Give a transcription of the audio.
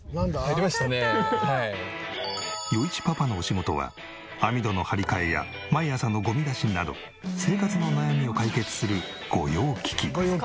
余一パパのお仕事は網戸の張り替えや毎朝のゴミ出しなど生活の悩みを解決する。